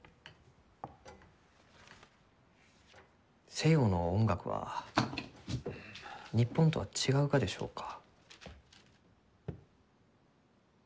西洋の音楽は日本とは違うがでしょうか？